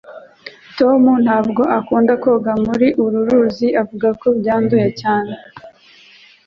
tom ntabwo akunda koga muri uru ruzi. avuga ko byanduye cyane